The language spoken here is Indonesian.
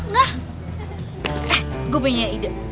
nah gue punya ide